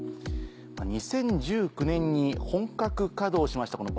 ２０１９年に本格稼働しました